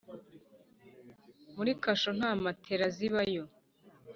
Muri kasho nta matera zibayo.